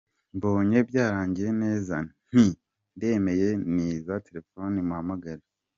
Mbonye byarangiye neza, nti ndemeye ntiza telefone muhamagare.